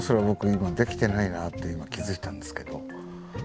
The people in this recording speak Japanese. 今できてないなって今気付いたんですけど。